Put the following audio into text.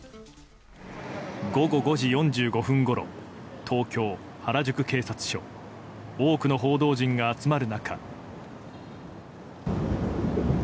午後５時４５分ごろ東京・原宿警察署。多くの報道陣が集まる中。